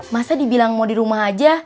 masa dibilang mau dirumah aja